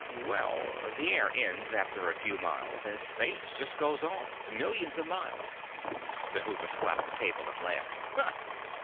Well, the air ends after a few miles and space just goes on millions of miles " Dhuva slapped the table and laughed.